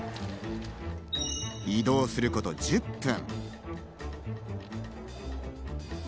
移動すること１０分。